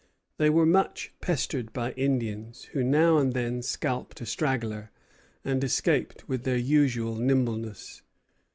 They were much pestered by Indians, who now and then scalped a straggler, and escaped with their usual nimbleness.